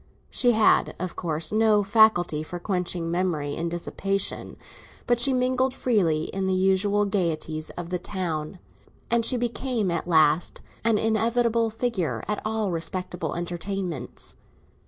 She had, of course, no faculty for quenching memory in dissipation; but she mingled freely in the usual gaieties of the town, and she became at last an inevitable figure at all respectable entertainments.